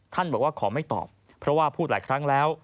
บอกว่าขอไม่ตอบเพราะว่าพูดหลายครั้งแล้ว